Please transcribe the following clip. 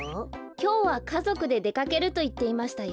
きょうはかぞくででかけるといっていましたよ。